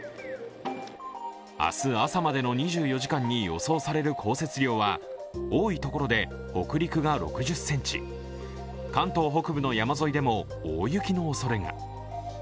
明日朝までの２４時間に予想される降雪量は多いところで北陸が６０ｃｍ、関東北部の山沿いでも大雪のおそれが。